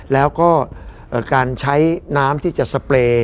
แล้วก็การใช้น้ำที่จะสเปรย์